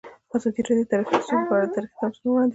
ازادي راډیو د ټرافیکي ستونزې په اړه تاریخي تمثیلونه وړاندې کړي.